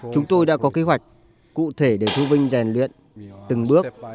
chúng tôi đã có kế hoạch cụ thể để thu vinh rèn luyện từng bước